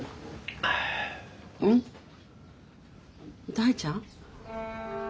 大ちゃん？